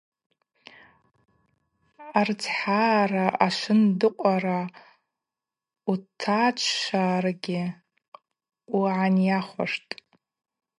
Арыцхӏагӏара ашвындыкъвара утачӏварыгьи угӏанайауаштӏ.